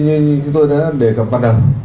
với như tôi đã đề cập bắt đầu